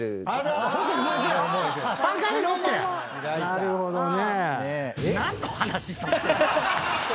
なるほどね。